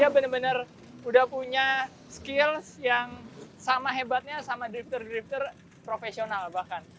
dia benar benar udah punya skills yang sama hebatnya sama drifter drifter profesional bahkan